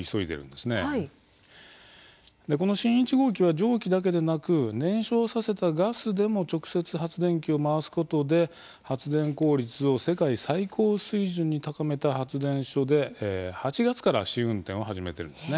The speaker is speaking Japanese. でこの新１号機は蒸気だけでなく燃焼させたガスでも直接発電機を回すことで発電効率を世界最高水準に高めた発電所で８月から試運転を始めてるんですね。